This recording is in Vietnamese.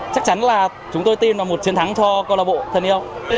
chắc chắn là chúng tôi tin vào một chiến thắng cho công an hà nội